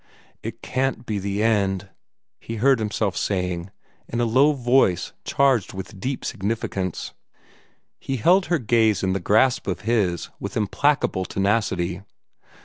"It CAN'T be the end!" he heard himself saying, in a low voice charged with deep significance. He held her gaze in the grasp of his with implacable tenacity.